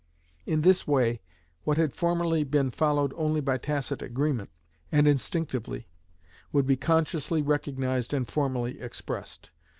In this way what had formerly been followed only by tacit agreement, and instinctively, would be consciously recognised and formally expressed.